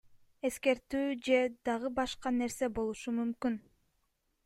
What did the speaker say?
Эскертүү же дагы башка нерсе болушу мүмкүн.